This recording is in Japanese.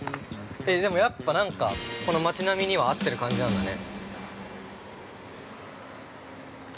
でも、やっぱなんかこの街並みには合ってる感じなんだね。